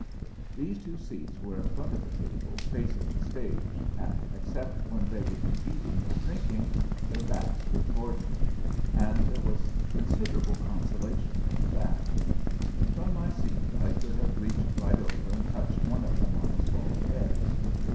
These two seats were in front of the table, facing the stage, and except when they would be eating or drinking their backs were toward me, and there was considerable consolation in that. From my seat I could have reached right over and touched one of them on his bald head.